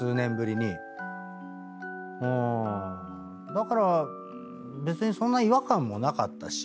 だから別にそんな違和感もなかったし。